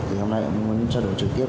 thì hôm nay em muốn trao đổi trực tiếp